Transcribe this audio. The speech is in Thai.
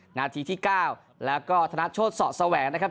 หน้าที่ที่เก้าแล้วก็ธนัทโชชเศาติแสวงนะครับ